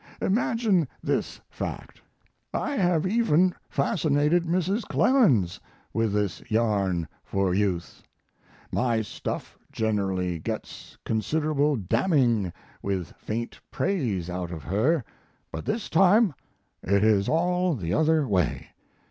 Imagine this fact: I have even fascinated Mrs. Clemens with this yarn for youth. My stuff generally gets considerable damning with faint praise out of her, but this time it is all the other way.